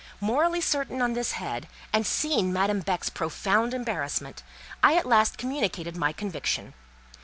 Morally certain on this head, and seeing Madame Beck's profound embarrassment, I at last communicated my conviction.